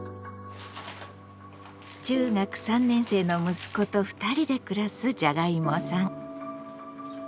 中学３年生の息子と２人で暮らすじゃがいもさん。